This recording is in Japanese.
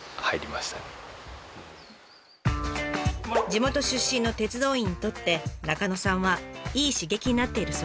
地元出身の鉄道員にとって中野さんはいい刺激になっているそうです。